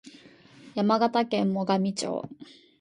山形県最上町